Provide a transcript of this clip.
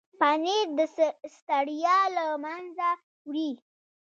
پنېر د ستړیا له منځه وړي.